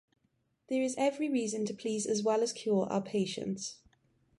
There is every reason to please as well as cure our patients.